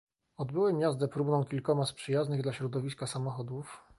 Odbyłem jazdę próbną kilkoma z przyjaznych dla środowiska samochodów